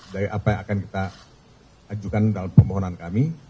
dari apa yang akan kita ajukan dalam permohonan kami